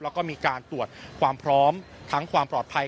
แล้วก็มีการตรวจความพร้อมทั้งความปลอดภัย